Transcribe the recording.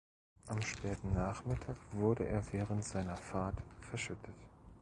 Am späten Nachmittag wurde er während seiner Fahrt verschüttet.